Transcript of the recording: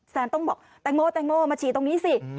แซนต้องบอกแตงโมมาชีตรงนี้สิ